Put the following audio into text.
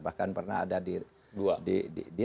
bahkan pernah ada di